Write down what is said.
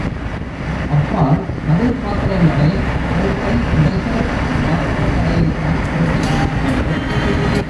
அப்பால், கதைப்பாத்திரங்களை ஓட்டை உடைசல் பாத்திரக்கடை யில் தான் பேட்டி காணவேண்டும்!